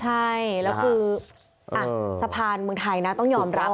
ใช่แล้วคือสะพานเมืองไทยนะต้องยอมรับ